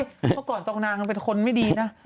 เมื่อก่อนตรงนางเป็นคนไม่ดีนะ